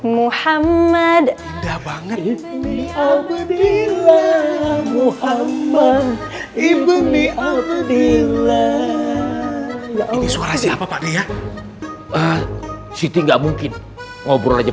muhammad indah banget muhammad ibni abdullah ini suara siapa pak nia siti nggak mungkin ngobrol aja